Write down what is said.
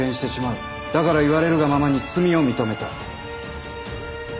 だから言われるがままに罪を認めた。